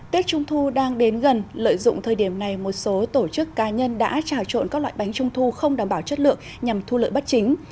tết trung thu đang đến gần lợi dụng thời điểm này một số tổ chức cá nhân đã trào trộn các loại bánh trung thu không đảm bảo chất lượng nhằm thu lợi bất chính